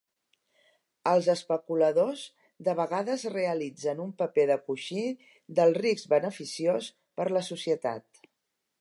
Els especuladors de vegades realitzen un paper de coixí del risc beneficiós per la societat.